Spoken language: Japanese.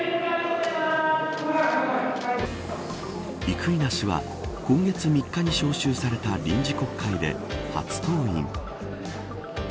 生稲氏は今月３日に召集された臨時国会で初登院。